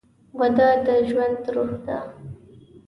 وده د ژوند روح ده.